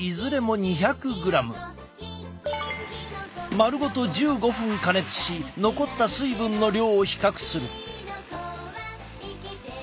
丸ごと１５分加熱し残った水分の量を比較する。